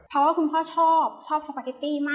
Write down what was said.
เพราะว่าคุณพ่อชอบชอบสปาเกตตี้มาก